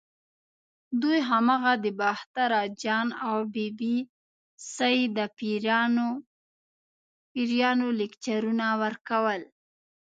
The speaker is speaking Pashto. دوی هماغه د باختر اجان او بي بي سۍ د پیریانو لیکچرونه ورکول.